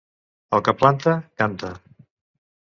El que planta, canta.